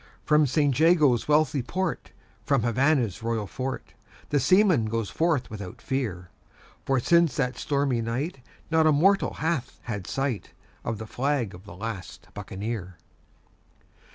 From St Jago's wealthy port, from Havannah's royal fort, The seaman goes forth without fear; For since that stormy night not a mortal hath had sight Of the flag of the last Buccaneer.